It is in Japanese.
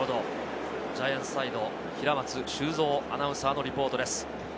ジャイアンツサイド、平松修造アナウンサーのリポートです。